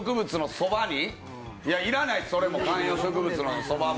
それもいらない、観葉植物のそばも。